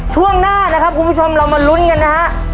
ช่วงหน้านะครับคุณผู้ชมเรามาลุ้นกันนะฮะ